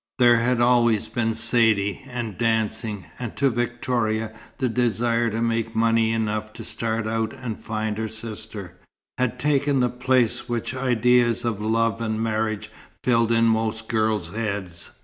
There had always been Saidee, and dancing; and to Victoria, the desire to make money enough to start out and find her sister, had taken the place which ideas of love and marriage fill in most girls' heads.